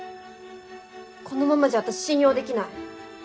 このままじゃ私信用できない。